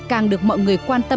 càng được mọi người quan tâm